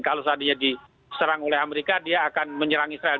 kalau seandainya diserang oleh amerika dia akan menyerang israel